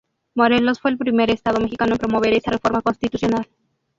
Morelos fue el primer estado mexicano en promover esta reforma constitucional.